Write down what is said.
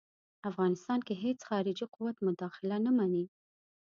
افغانستان کې د هیڅ خارجي قوت مداخله نه مني.